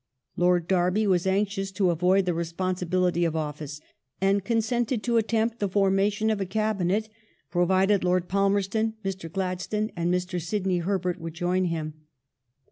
Lord Derby was anxious to avoid the responsibility of office, and consented to attempt the formation of a Cabinet pro vided Lord Palmerston, Mr. Gladstone, and Mr. Sidney Herbert would join him.